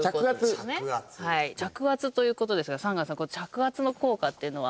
着圧という事ですが山川さん着圧の効果っていうのは？